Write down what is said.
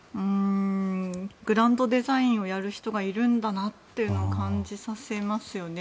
グランドデザインをやる人がいるんだなというのを感じさせますよね。